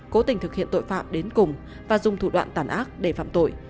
cố tình thực hiện tội phạm đến cùng và dùng thủ đoạn tàn ác để phạm tội